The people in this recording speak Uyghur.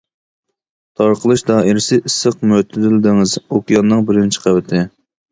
تارقىلىش دائىرىسى ئىسسىق مۆتىدىل دېڭىز-ئوكياننىڭ بىرىنچى قەۋىتى.